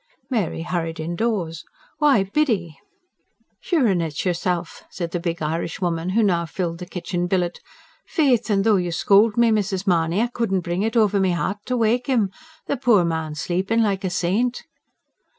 Mary hurried indoors. "Why, Biddy...." "Sure and it's yourself," said the big Irishwoman who now filled the kitchen billet. "Faith and though you scold me, Mrs. Mahony, I couldn't bring it over me heart to wake him. The pore man's sleeping like a saint."